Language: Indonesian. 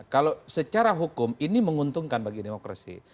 kalau secara hukum ini menguntungkan bagi demokrasi